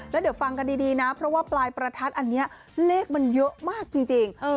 แล้วเดี๋ยวฟังกันดีนะเพราะว่าปลายประทัดอันนี้เลขมันเยอะมากจริง